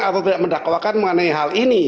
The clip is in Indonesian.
atau tidak mendakwakan mengenai hal ini